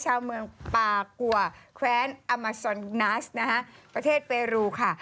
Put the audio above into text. ชาวเมืองปากัวแคว้นอมาซอนนัสนะคะประเทศเปรูค่ะ